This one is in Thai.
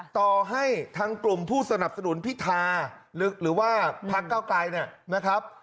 ต่อให้ทางกลุ่มผู้สนับสนุนพิธาหรือว่าพักเก้าไกลนะครับ